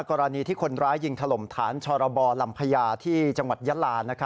กรณีที่คนร้ายยิงถล่มฐานชรบลำพญาที่จังหวัดยาลา